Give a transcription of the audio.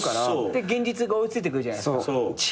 で現実が追い付いてくるじゃないですか。